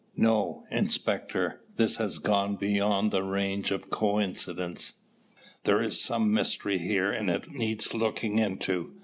No, Inspector, this has gone beyond the range of coincidence. There is some mystery here and it needs looking into.